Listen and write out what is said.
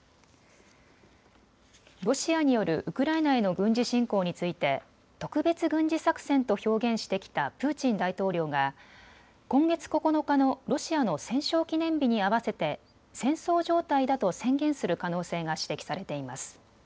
ロシアによるウクライナへの軍事侵攻について特別軍事作戦と表現してきたプーチン大統領が今月９日のロシアの戦勝記念日に合わせて戦争状態だと宣言する可能性が指摘されています。